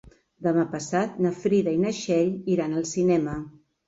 Demà passat na Frida i na Txell iran al cinema.